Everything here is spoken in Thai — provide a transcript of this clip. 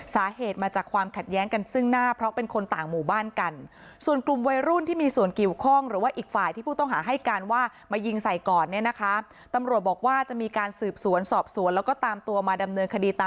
สาเหตุมาจากความขัดแย้งกันซึ่งหน้าเพราะเป็นคนต่างหมู่บ้านกัน